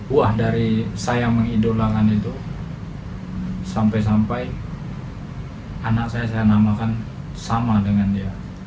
wah dari saya mengidolakan itu sampai sampai anak saya saya namakan sama dengan dia